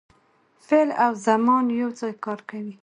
فعل او زمان یو ځای کار کوي.